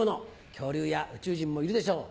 恐竜や宇宙人もいるでしょう